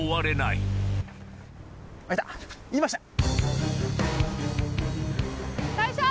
いました。